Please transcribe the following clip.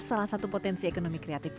salah satu potensi ekonomi kreatif